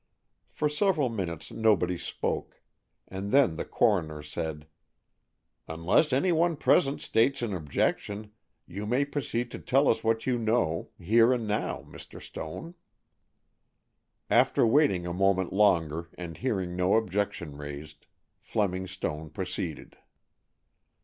For several minutes nobody spoke, and then the coroner said, "Unless any one present states an objection, you may proceed to tell us what you know, here and now, Mr. Stone." After waiting a moment longer and hearing no objection raised, Fleming Stone proceeded.